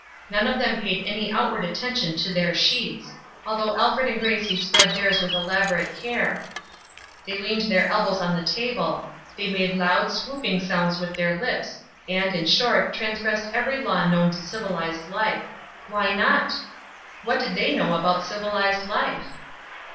None of them paid any outward attention to their "sheets," although Alfred and Gracie spread theirs with elaborate care; they leaned their elbows on the table, they made loud, swooping sounds with their lips, and, in short, transgressed every law known to civilized life. Why not? What did they know about civilized life?